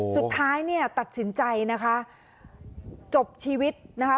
สุดท้ายเนี่ยตัดสินใจนะคะจบชีวิตนะคะ